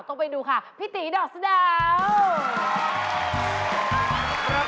ไปดูค่ะพี่ตีดอกสะดาว